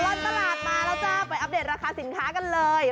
ตลอดตลาดมาแล้วจ้าไปอัปเดตราคาสินค้ากันเลย